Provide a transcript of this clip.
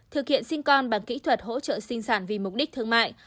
thực hiện sinh con bằng kỹ thuật hỗ trợ sinh sản vì mục đích thương mại